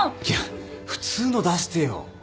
いや普通の出してよ。